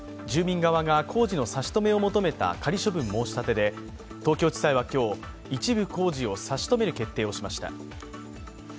住民側が工事の差し止めを求めた仮処分申し立てで東京地裁は今日、一部工事を差し止める決定をしました。